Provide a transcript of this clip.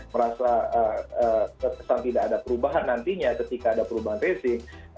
merasa terkesan tidak ada perubahan nantinya ketika ada perubahan tracing